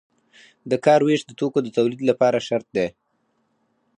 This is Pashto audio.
د کار ویش د توکو د تولید لپاره شرط دی.